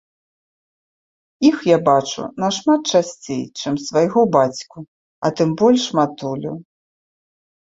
Іх я бачу нашмат часцей, чым свайго бацьку, а тым больш матулю.